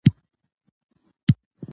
کابل د افغانستان د ښاري پراختیا سبب کېږي.